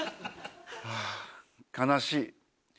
あぁ悲しい。